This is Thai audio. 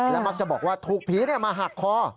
และมักจะบอกว่าถูกผีนี่มาหักคอ